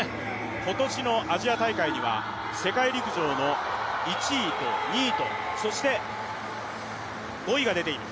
今年のアジア大会には世界陸上の１位と２位と、そして５位が出ている。